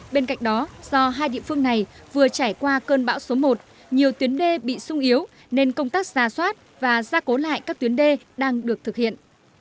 bên cạnh đó do hai địa phương này vừa trải qua cơn bão số một nhiều tuyến đê bị sung yếu nên công tác ra soát và gia cố lại các tuyến đê đang được thực hiện